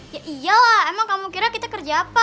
ya iyalah emang kamu kira kita kerja apa